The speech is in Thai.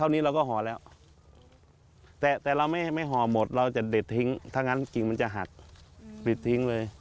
นี้เราก็ห่อแล้วแต่เราไม่ห่อหมดเราจะเด็ดทิ้งถ้างั้นกิ่งมันจะหักปิดทิ้งเลย